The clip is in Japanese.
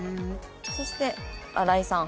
そして荒井さん。